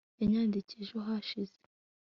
yanyandikiye ejo hashize